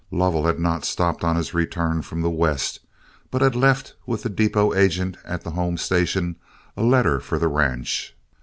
Lovell had not stopped on his return from the west, but had left with the depot agent at the home station a letter for the ranch.